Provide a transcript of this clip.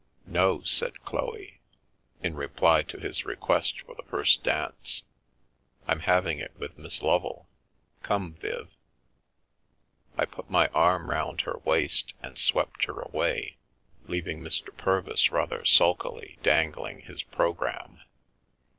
" No," said Chloe, in reply to his request for the first dance, " I'm having it with Miss Lovel. Come, Viv !" I put my arm round her waist and swept her away, leaving Mr. Purvis rather sulkily dangling his pro gramme.